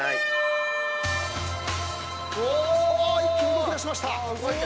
一気に動きだしました。